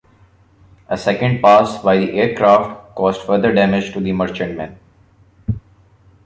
A second pass by the aircraft caused further damage to the merchantman.